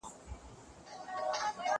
زه مخکي درسونه اورېدلي وو!